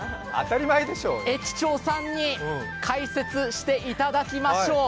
駅長さんに解説していただきましょう。